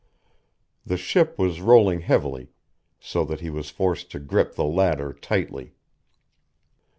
The ship was rolling heavily, so that he was forced to grip the ladder tightly....